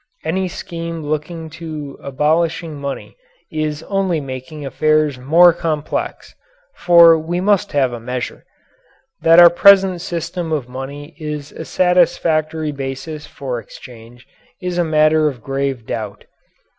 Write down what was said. Any scheme looking to abolishing money is only making affairs more complex, for we must have a measure. That our present system of money is a satisfactory basis for exchange is a matter of grave doubt.